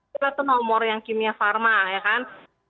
kita tuh nomor yang kimia pharma ya kan